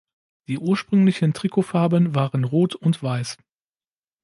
Die ursprünglichen Trikotfarben waren rot und weiß.